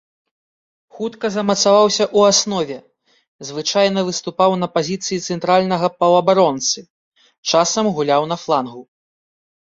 Хутка замацаваўся ў аснове, звычайна выступаў на пазіцыі цэнтральнага паўабаронцы, часам гуляў на флангу.